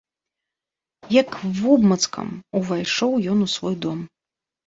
Як вобмацкам, увайшоў ён у свой дом.